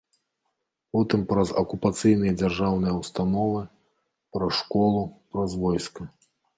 Потым праз акупацыйныя дзяржаўныя ўстановы, праз школу, праз войска.